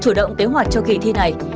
chủ động kế hoạch cho kỳ thi này